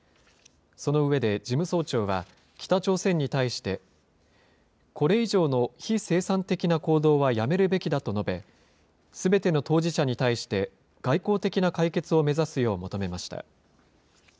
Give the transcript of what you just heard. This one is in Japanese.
その上で事務総長は、北朝鮮に対して、これ以上の非生産的な行動はやめるべきだと述べ、すべての当事者に対して、外交的な解決を目指すよう求めました。